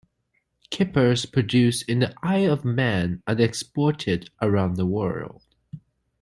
Kippers produced in the Isle of Man are exported around the world.